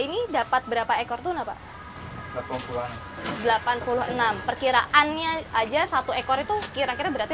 ini dapat berapa ekor tunai pak delapan puluh an delapan puluh enam perkiraannya aja satu ekor itu kira kira berarti